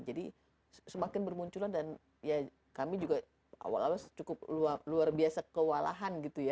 jadi semakin bermunculan dan kami juga awal awal cukup luar biasa kewalahan